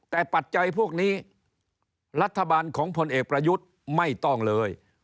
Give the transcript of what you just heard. แต่ปัจจัยพวกนี้รัฐบาลของพลเอกประยุทธ์ไม่ต้องเลย